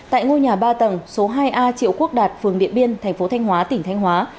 tại ngôi nhà ba tầng số hai a triệu quốc đạt phường điện biên thành phố thanh hóa tỉnh thanh hóa